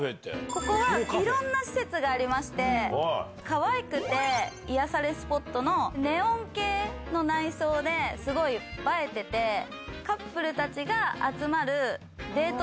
ここはいろんな施設がありましてかわいくて癒やされスポットのネオン系の内装ですごい映えててカップルたちが集まるデート